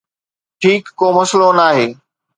ٺيڪ، ڪو مسئلو ناهي